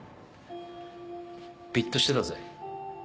ビッとしてたぜ。